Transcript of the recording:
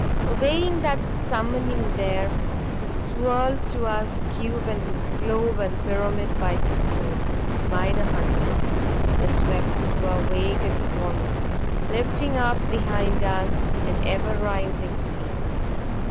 Obeying that summoning there swirled to us cube and globe and pyramid by the score by the hundreds. They swept into our wake and followed lifting up behind us, an ever rising sea.